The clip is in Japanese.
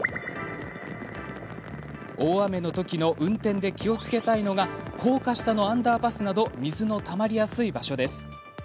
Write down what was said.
大雨のときの運転で気をつけたいのが高架下のアンダーパスなど水のたまりやすい場所です。